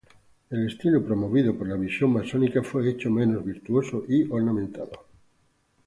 El estilo promovido por la visión masónica fue mucho menos virtuoso y ornamentado.